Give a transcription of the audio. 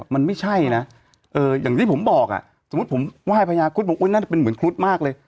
มันไม่ใช่นะอย่างที่ผมบอกสมมุติผมไหว้พญาครุฑบอกน่าจะเป็นเหมือนครุฑมากเลย